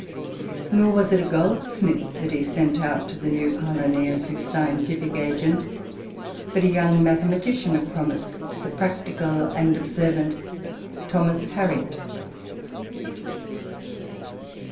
Nor was it a goldsmith that he sent out to the new colony as his scientific agent, but a young mathematician of promise, the practical and observant Thomas Hariot.